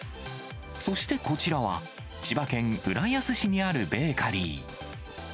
そしてこちらは、千葉県浦安市にあるベーカリー。